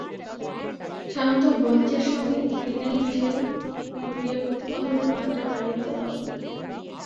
সাধারণত ব্রোঞ্জের সঙ্গে টিনের মিশেল ঘটিয়ে প্রতিফলনের মাত্রা বাড়িয়ে তোলা হতো।